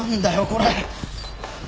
これ。